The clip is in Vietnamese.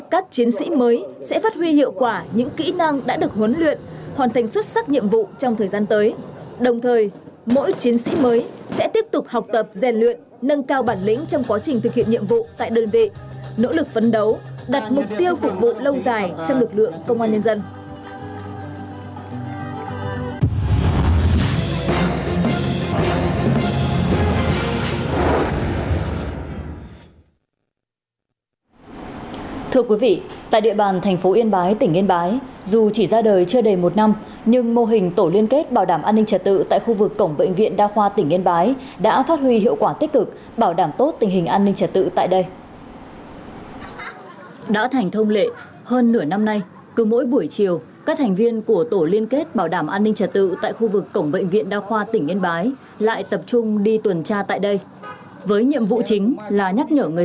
các chiến sĩ mới sẽ phát huy hiệu quả những kỹ năng đã được huấn luyện hoàn thành xuất sắc nhiệm vụ trong thời gian tới